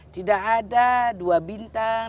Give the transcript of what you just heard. tidak ada dua bintang